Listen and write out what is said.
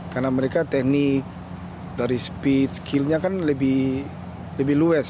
karena mereka teknik dari speed skillnya kan lebih luwes